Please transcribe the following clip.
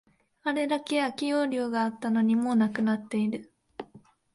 あれだけ空き容量があったのに、もうなくなっている